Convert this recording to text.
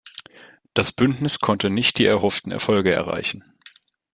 Das Bündnis konnte nicht die erhofften Erfolge erreichen.